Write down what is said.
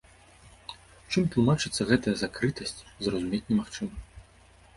Чым тлумачыцца гэтая закрытасць, зразумець немагчыма.